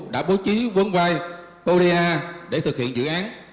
đã bố trí vốn vai oda để thực hiện dự án